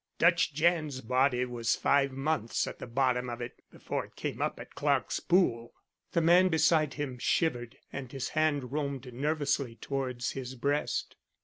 Dutch Jan's body was five months at the bottom of it, before it came up at Clark's pool." The man beside him shivered and his hand roamed nervously towards his breast.